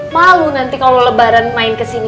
malu nanti kalau lebaran main kesini